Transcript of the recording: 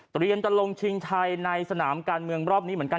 จะลงชิงไทยในสนามการเมืองรอบนี้เหมือนกัน